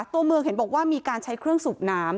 ตัวเมืองเห็นบอกว่ามีการใช้เครื่องสูบน้ำ